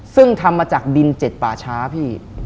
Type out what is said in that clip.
ซึ่งทำมาจากดินเจ็ดป่าช้าพี่